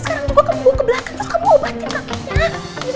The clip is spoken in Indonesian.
sekarang gua ke belakang terus kamu obatin kakinya